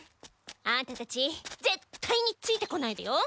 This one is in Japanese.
アンタたち絶対についてこないでよ。